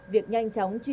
việc nhanh chóng chuyển